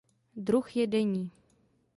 Druh je denní.